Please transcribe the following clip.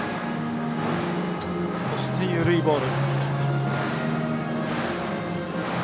そして、緩いボール。